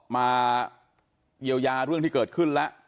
มาเยียวยาเรื่องที่เกิดขึ้นแล้ว